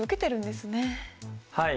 はい。